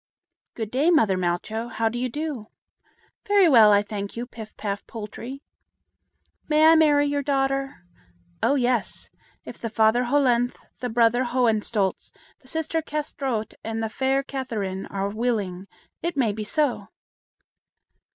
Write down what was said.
"Good day, mother Malcho. How do you do?" "Very well, I thank you, Pif paf Poltrie." "May I marry your daughter?" "Oh, yes! if the father Hollenthe, the brother Hohenstolz, the sister Kâsetraut, and the fair Catherine are willing, it may be so."